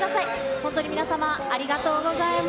本当に皆様、ありがとうございます。